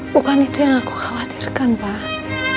bukan itu yang aku khawatirkan pak